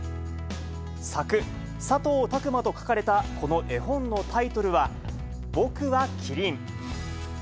作・佐藤卓磨と書かれたこの絵本のタイトルは、ぼくはキリン。